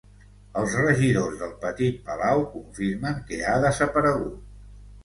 Els regidors del Petit Palau confirmen que ha desaparegut.